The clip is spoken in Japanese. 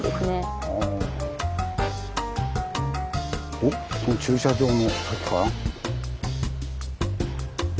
おっこの駐車場の先かな？